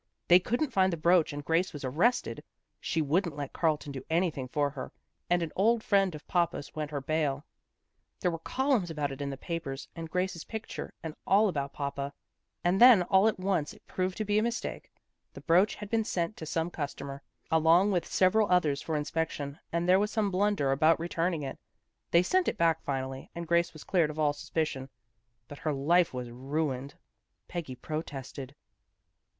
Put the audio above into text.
They couldn't find the brooch and Grace was arrested. She wouldn't let Carlton do anything for her, and an old friend of papa's went her bail. There were columns about it in the papers, and Grace's picture and all about papa, and then 250 THE GIRLS OF FRIENDLY TERRACE all at once it proved to be a mistake. The brooch had been sent to some customer, along with several others for inspection, and there was some blunder about returning it. They sent it back finally, and Grace was cleared of all suspicion, but her life was ruined." Peggy protested.